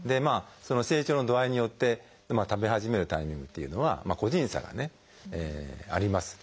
成長の度合いによって食べ始めるタイミングっていうのは個人差がねあります。